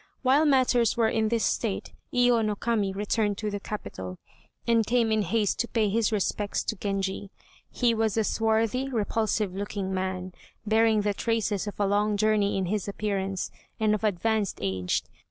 While matters were in this state Iyo no Kami returned to the capital, and came in haste to pay his respects to Genji. He was a swarthy, repulsive looking man, bearing the traces of a long journey in his appearance, and of advanced age.